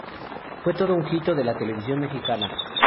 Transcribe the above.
Fue todo un hito de la televisión mexicana.